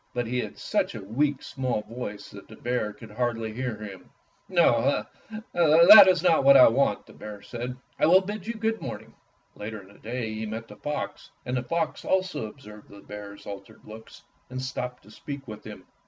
But he had such a weak, small voice that the bear could hardly hear him. "No, that is not what I want," the bear said. "I will bid you good morning." Later in the day he met the fox, and the fox also observed the bear's altered looks and stopped to speak with him.